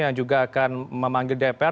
yang juga akan memanggil dpr